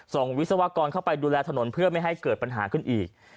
วิศวกรเข้าไปดูแลถนนเพื่อไม่ให้เกิดปัญหาขึ้นอีก